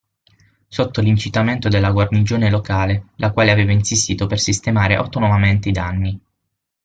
Sotto l'incitamento della guarnigione locale, la quale aveva insistito per sistemare autonomamente i danni.